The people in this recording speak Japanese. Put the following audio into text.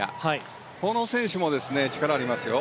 この選手も力がありますよ。